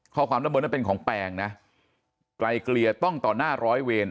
ข้อมูลด้านบนนั้นเป็นของแปลงนะไกลเกลี่ยต้องต่อหน้าร้อยเวร